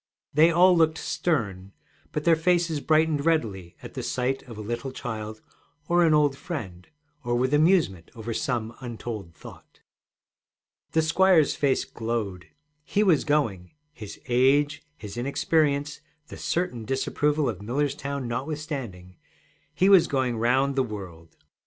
They all looked stern, but their faces brightened readily at sight of a little child or an old friend, or with amusement over some untold thought. The squire's face glowed. He was going his age, his inexperience, the certain disapproval of Millerstown notwithstanding he was going round the world!